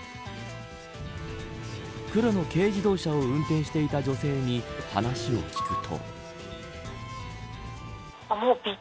黒の軽自動車を運転していた女性に話を聞くと。